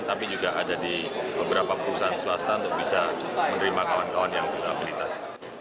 tapi juga ada di beberapa perusahaan swasta untuk bisa menerima kawan kawan yang disabilitas